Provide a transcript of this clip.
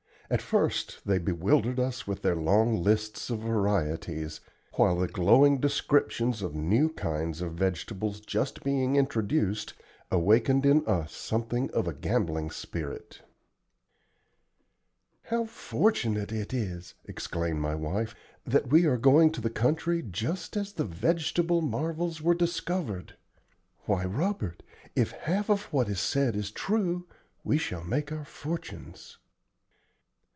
At first they bewildered us with their long lists of varieties, while the glowing descriptions of new kinds of vegetables just being introduced awakened in us something of a gambling spirit. "How fortunate it is," exclaimed my wife, "that we are going to the country just as the vegetable marvels were discovered! Why, Robert, if half of what is said is true, we shall make our fortunes."